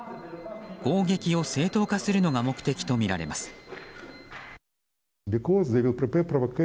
攻撃を正当化するのが目的とみられます。